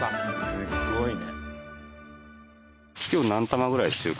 すごいね！